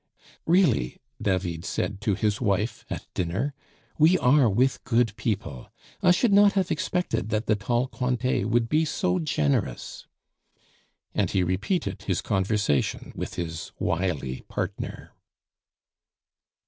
"Really," David said to his wife at dinner, "we are with good people; I should not have expected that the tall Cointet would be so generous." And he repeated his conversation with his wily partner.